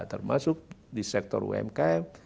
termasuk di sektor umkm